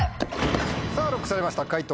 さぁＬＯＣＫされました解答